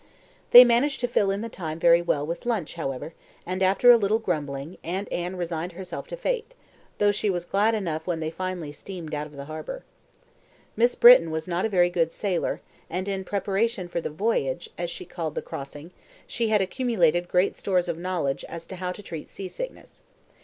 They managed to fill in the time very well with lunch, however, and after a little grumbling, Aunt Anne resigned herself to Fate, though she was glad enough when they finally steamed out of the harbour. Miss Britton was not a very good sailor, and in preparation for "the voyage," as she called the crossing, had accumulated great stores of knowledge as to how to treat seasickness.